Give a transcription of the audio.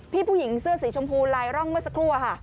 ผู้หญิงเสื้อสีชมพูลายร่องเมื่อสักครู่ค่ะ